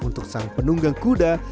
untuk sang penunggang kuda